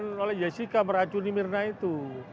yang oleh jessica meracuni mirna itu